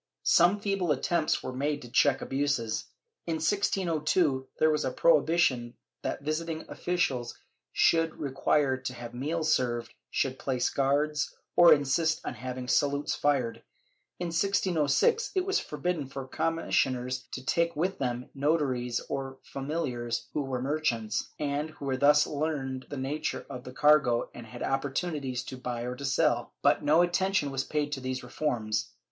Some feeble attempts were made to check abuses. In 1602 there was a prohibition that visiting officials should require to have meals served, should place guards, or insist on having salutes fired; in 1606 it was forbidden for commissioners to take with them notaries or familiars who were merchants, and who thus learned the nature of the cargo and had opportunities to buy or to sell ; but no attention was paid to these reforms.